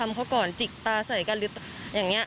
เราผิดแล้วเราทำเขาก่อนจิกตาใส่กันหรืออย่างนี้